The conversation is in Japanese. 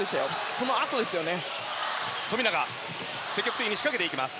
そのあとですよね。